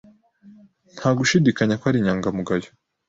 Nta gushidikanya ko ari inyangamugayo.